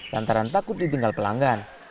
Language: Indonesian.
lantaran takut ditinggal pelanggan